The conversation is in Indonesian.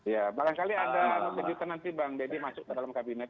ya barangkali ada kejutan nanti bang deddy masuk ke dalam kabinet